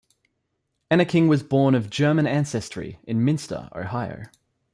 Enneking was born of German ancestry in Minster, Ohio.